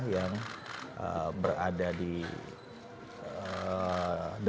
yang berada di depan